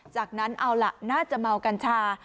จากนั้นเอาล่ะน่าจะเมากัญชา